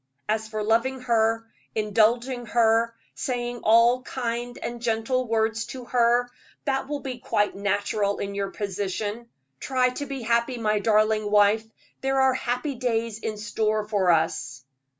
As for loving her, indulging her, saying all kind and gentle words to her, that will be quite natural in your position. Try to be happy, my darling wife; there are happy days in store for us."